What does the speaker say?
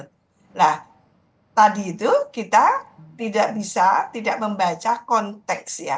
nah tadi itu kita tidak bisa tidak membaca konteks ya